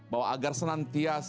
bahwa agar seorang hakim bisa dibeli